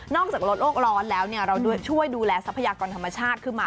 จากลดโลกร้อนแล้วเราช่วยดูแลทรัพยากรธรรมชาติขึ้นมา